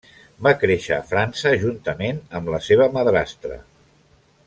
Va créixer a França juntament amb la seva madrastra.